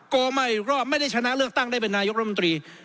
โกงมาอีกรอบไม่ได้ชนะเลือกตั้งได้เป็นนายกรับมนตรี